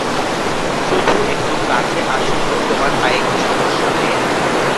শুধু একটু কাছে আসছো তোমার পায়ে কি সমস্যা, মেয়ে?